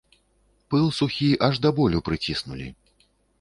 Пыл сухі аж да болю прыціснулі.